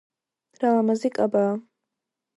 რა ლამაზი კაბაა